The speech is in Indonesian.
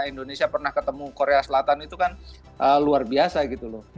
indonesia pernah ketemu korea selatan itu kan luar biasa gitu loh